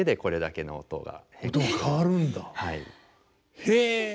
へえ。